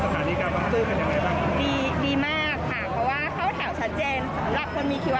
ไม่ควรปิดอ่ะค่ะเพราะว่ามันก็ใหญ่โต